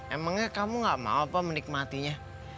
emangnya kamu nggak mau apa menikmatinya